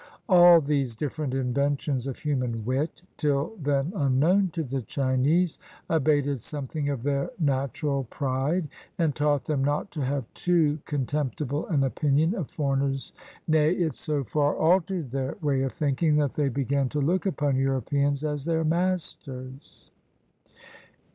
All these different inventions of human wit, till then unknown to the Chinese, abated something of their natu ral pride and taught them not to have too contemptible an opinion of foreigners ; nay, it so far altered their way of thinking that they began to look upon Europeans as their masters.